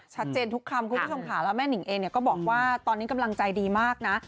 ชัดเจนทุกคำคุณผู้ชมค่ะแล้วแม่นิงเองก็บอกว่าตอนนี้กำลังใจดีมากนะ